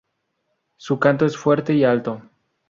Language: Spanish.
Su canto es fuerte y alto.